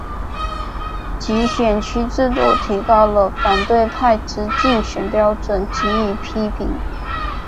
集选区制度提高了反对派之竞选标准予以批评。